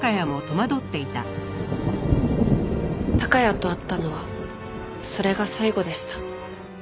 孝也と会ったのはそれが最後でした。